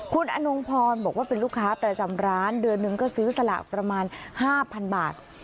คุณอนงพรบอกว่าเป็นลูกค้าประจำร้านเดือนหนึ่งก็ซื้อสลากประมาณ๕๐๐๐บาท